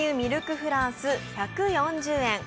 フランス１４０円。